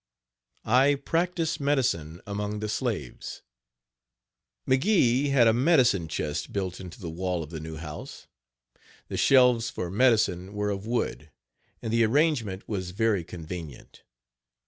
I PRACTICE MEDICINE AMONG THE SLAVES. McGee had a medicine chest built into the wall of the new house. The shelves for medicine were of wood, and the arrangement was very convenient.